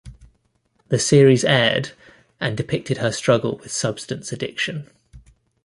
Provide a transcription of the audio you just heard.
The series aired and depicted her struggle with substance addiction.